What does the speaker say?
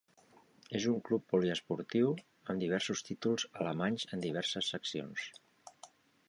És un club poliesportiu, amb diversos títols alemanys en diverses seccions.